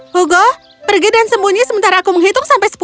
hugo pergi dan sembunyi sementara aku menghitung sampai sepuluh